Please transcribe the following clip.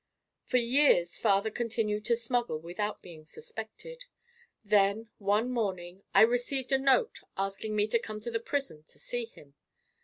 "For years father continued to smuggle without being suspected. Then one morning I received a note asking me to come to the prison to see him.